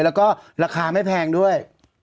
แล้วก็ราคาไม่แพงด้วย